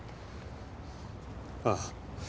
ああ。